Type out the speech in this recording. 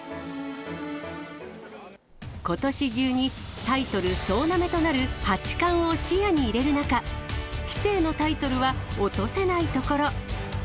ことし中にタイトル総なめとなる八冠を視野に入れる中、棋聖のタイトルは落とせないところ。